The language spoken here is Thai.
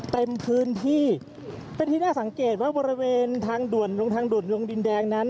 เต็มพื้นที่เป็นที่น่าสังเกตว่าบริเวณทางด่วนลงทางด่วนลงดินแดงนั้น